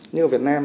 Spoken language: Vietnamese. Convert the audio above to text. như ở việt nam